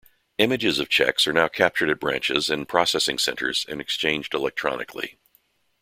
Images of cheques are now captured at branches and processing centres and exchanged electronically.